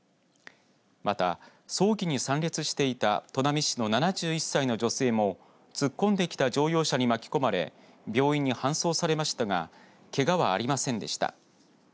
また葬儀に参列していた砺波市の７１歳の女性も突っ込んできた乗用車に巻き込まれ病院に搬送されましたがけがはありませんでした。